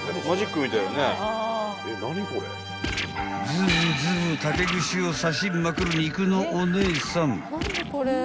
［ズブズブ竹串を刺しまくる肉のお姉さん］